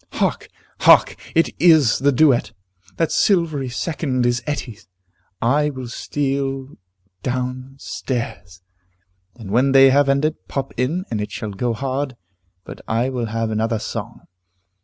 Hark! hark! It is the duet! That silvery second is Etty's. I will steal down stairs, and when they have ended, pop in, and it shall go hard but I will have another song.